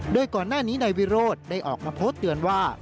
โดยก่อนหน้านี้นายวิโรธได้ออกมาโพสต์เตือนว่า